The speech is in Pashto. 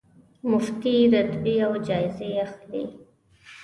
مفتې رتبې او جایزې اخلي.